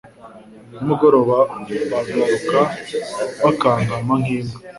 Nimugoroba bagaruka bakankama nk’imbwa